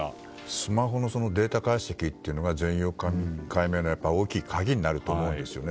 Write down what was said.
スマホのデータ解析というのが全容解明の大きい鍵になると思うんですよね。